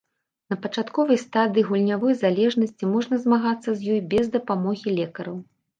На пачатковай стадыі гульнявой залежнасці можна змагацца з ёй без дапамогі лекараў.